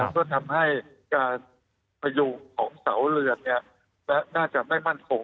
เพื่อทำให้การพยุงของเสาเรือนน่าจะไม่มั่นคง